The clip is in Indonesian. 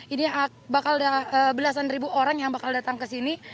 ini bakal belasan ribu orang yang bakal datang ke sini